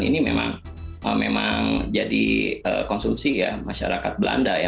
ini memang jadi konsumsi ya masyarakat belanda ya